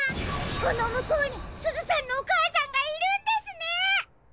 このむこうにすずさんのおかあさんがいるんですね！